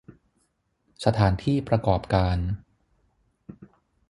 สถานที่ประกอบการ